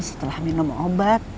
setelah minum obat